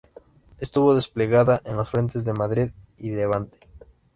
Estuvo desplegada en los frentes de Madrid y Levante.